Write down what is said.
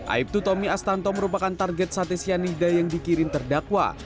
aibtu tommy astanto merupakan target satesyanida yang dikirin terdakwa